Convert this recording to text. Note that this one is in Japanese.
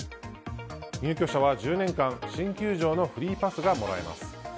入居者は１０年間新球場のフリーパスがもらえます。